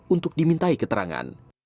untuk dimintai keterangan